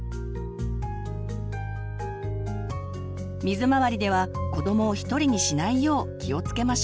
水回りでは子どもを一人にしないよう気をつけましょう。